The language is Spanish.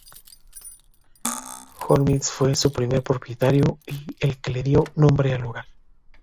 Hormizd fue su primer propietario y el que le dio nombre al lugar.